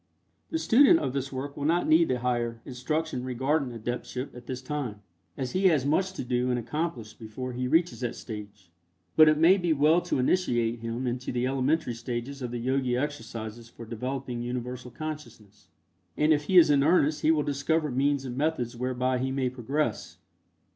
The student of this work will not need the higher instruction regarding adeptship at this time, as he has much to do and accomplish before he reaches that stage, but it may be well to initiate him into the elementary stages of the Yogi exercises for developing Universal Consciousness, and if he is in earnest he will discover means and methods whereby he may progress.